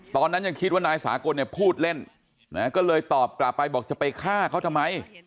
ตอนนั้นยังคิดว่านายสากลเนี่ยพูดเล่นก็เลยตอบกลับไปบอกจะไปฆ่าเขาทำไม